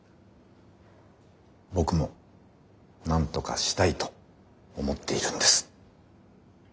僕もなんとかしたいと思っているんです。